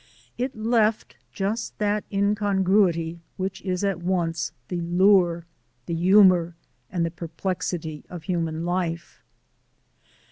It left just that incongruity which is at once the lure, the humour, and the perplexity of human life.